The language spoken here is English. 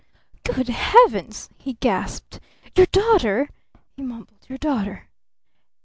"Good Heavens!" he gasped. "Your daughter?" he mumbled. "Your daughter?"